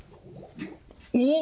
おっ！